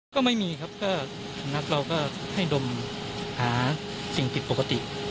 ก็ไม่มีครับก็สุนัขเราก็ให้ดมหาสิ่งผิดปกติ